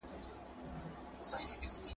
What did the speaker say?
چي هر څو یې مخ پر لوړه کړه زورونه `